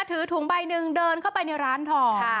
ถือถุงใบหนึ่งเดินเข้าไปในร้านทอง